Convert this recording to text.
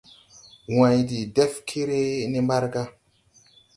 Wãy de dɛf kere ne mbarga.